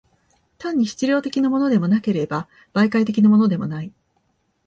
単に質料的のものでもなければ、媒介的のものでもない。